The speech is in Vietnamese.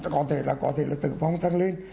có thể là có thể là tử vong tăng lên